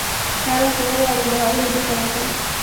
هر وخت چې وغواړم د هغو لیدو ته ورځم.